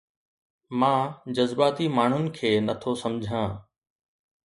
مان جذباتي ماڻهن کي نٿو سمجهان